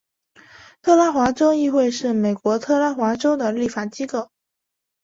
特拉华州议会是美国特拉华州的立法机构。